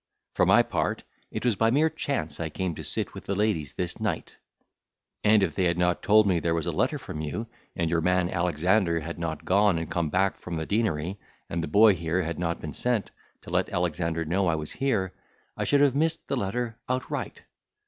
For my part, it was by mere chance I came to sit with the ladies this night. And if they had not told me there was a letter from you; and your man Alexander had not gone, and come back from the deanery; and the boy here had not been sent, to let Alexander know I was here, I should have missed the letter outright.